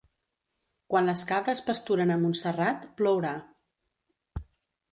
Quan les cabres pasturen a Montserrat, plourà.